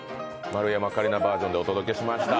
丸山桂里奈バージョンでお届けしました。